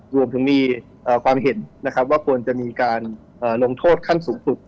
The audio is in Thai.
รวมถึงมีความเห็นนะครับว่าควรจะมีการลงโทษขั้นสูงสุด